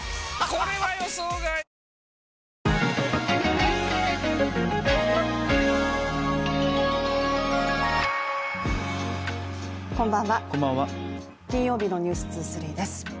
こんばんは、金曜日の「ｎｅｗｓ２３」です。